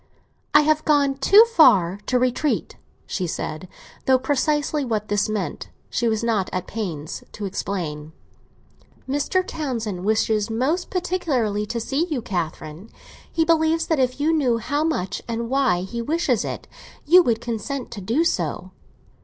"I have gone too far to retreat," she said, though precisely what this meant she was not at pains to explain. "Mr. Townsend wishes most particularly to see you, Catherine; he believes that if you knew how much, and why, he wishes it, you would consent to do so."